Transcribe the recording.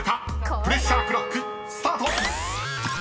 ［プレッシャークロックスタート！］